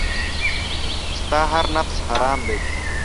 ستا هر نفس حرام دی .